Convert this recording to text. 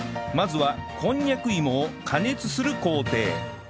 まずはこんにゃく芋を加熱する工程